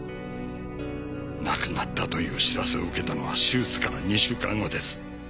亡くなったという知らせを受けたのは手術から２週間後です。